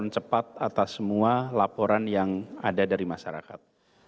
cepat atas semua laporan yang ada dari masyarakat